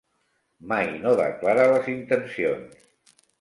Mai no declara les intencions.